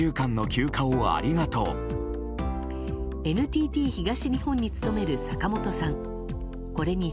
ＮＴＴ東日本に勤める坂本さん。